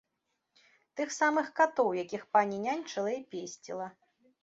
Тых самых катоў, якіх пані няньчыла і песціла.